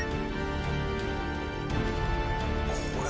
これ。